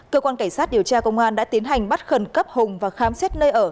cơ quan cảnh sát điều tra công an đã tiến hành bắt khẩn cấp hùng và khám xét nơi ở